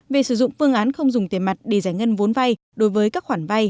về sử dụng phương án không dùng tiền mặt để giải ngân vốn vay đối với các khoản vay